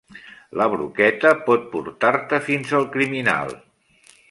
La broqueta pot portar-te fins el criminal.